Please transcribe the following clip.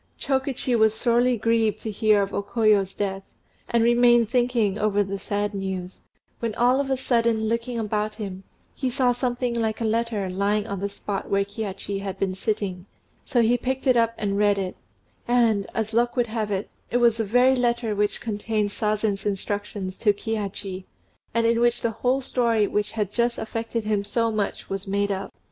Chokichi was sorely grieved to hear of O Koyo's death, and remained thinking over the sad news; when all of a sudden looking about him, he saw something like a letter lying on the spot where Kihachi had been sitting, so he picked it up and read it; and, as luck would have it, it was the very letter which contained Sazen's instructions to Kihachi, and in which the whole story which had just affected him so much was made up.